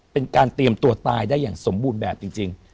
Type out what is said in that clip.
เป็นการเตรียมตัวตายได้อย่างสมบูรณ์แบบจริง